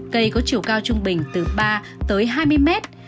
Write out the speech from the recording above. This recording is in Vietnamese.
cây có chiều cao trung bình từ ba tới hai mươi mét